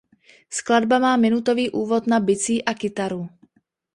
Skladba má minutový úvod na bicí a kytaru.